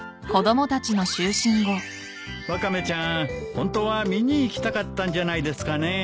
ホントは見に行きたかったんじゃないですかねえ。